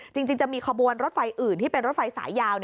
จริงจะมีขบวนรถไฟอื่นที่เป็นรถไฟสายยาว